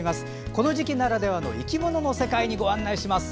この時期ならではの生き物の世界にご案内します。